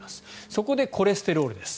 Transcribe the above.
そこでコレステロールです。